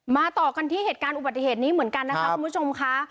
ต่อกันที่เหตุการณ์อุบัติเหตุนี้เหมือนกันนะคะคุณผู้ชมค่ะ